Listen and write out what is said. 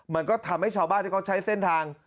มันก็ทำให้ชาวบ้านที่เขาใช้เส้นทาง